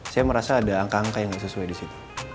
saya merasa ada angka angka yang nggak sesuai di situ